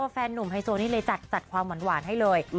แฟนนุ่มไฮโซนี่เลยจัดความหวานให้เลย